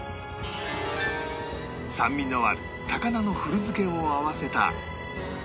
酸味のある高菜の古漬けを合わせた